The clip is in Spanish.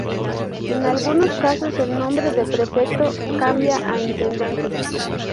En algunos casos el nombre de prefecto cambia a Intendente.